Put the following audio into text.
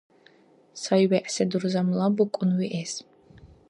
Сай-вегӀси дурзамла букӀун виэс.